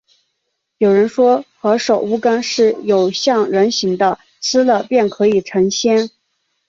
有人说，何首乌根是有像人形的，吃了便可以成仙